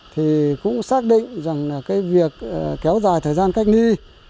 thì cũng xác định rằng là cái việc kéo dài thời gian cách ly